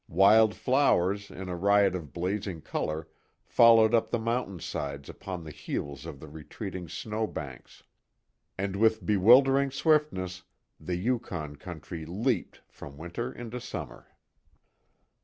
Wild flowers in a riot of blazing color followed up the mountain sides upon the heels of the retreating snow banks. And with bewildering swiftness, the Yukon country leaped from winter into summer.